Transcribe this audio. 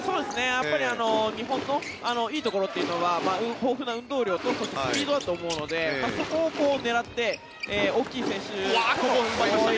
やっぱり日本のいいところというのは豊富な運動量とスピードだと思うのでそこを狙って大きい選手と。